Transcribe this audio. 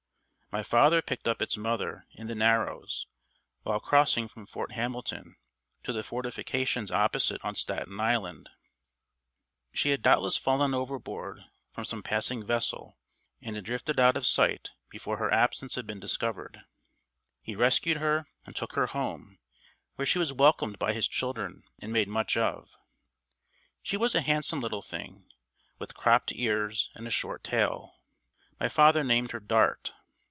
My father picked up its mother in the "Narrows" while crossing from Fort Hamilton to the fortifications opposite on Staten Island. She had doubtless fallen overboard from some passing vessel and had drifted out of sight before her absence had been discovered. He rescued her and took her home, where she was welcomed by his children and made much of. She was a handsome little thing, with cropped ears and a short tail. My father named her "Dart."